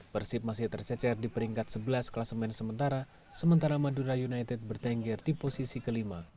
persib masih tercecer di peringkat sebelas kelas main sementara sementara madura united bertengger di posisi kelima